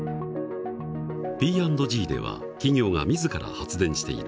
Ｐ＆Ｇでは企業が自ら発電している。